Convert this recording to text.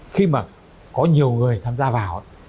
khi mà có nhiều người tham gia vào